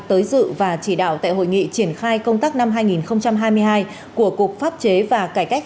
tới dự và chỉ đạo tại hội nghị triển khai công tác năm hai nghìn hai mươi hai của cục pháp chế và cải cách